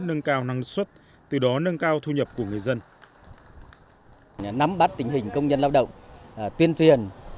nâng cao năng suất từ đó nâng cao thu nhập của người dân